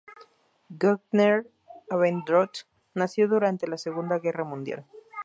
Gottner-Abendroth nació durante la segunda guerra mundial.